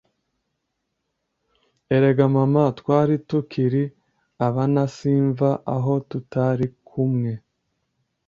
erega mama, twari tukiri abanasimva aha tutari kumwe